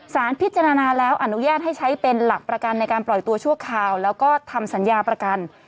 สารพิจารณาแล้วอนุญาตให้ใช้เป็นหลักประกันในการปล่อยตัวชั่วคราวแล้วก็ทำสัญญาประกัน